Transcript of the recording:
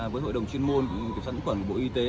với hội đồng chuyên môn kiểm soát những khuẩn của bộ y tế